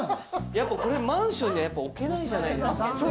やっぱこれ、マンションには置けないじゃないですか。